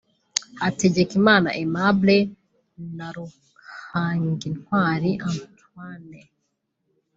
Hategekimana Aimable na Ruhangintwari Antoine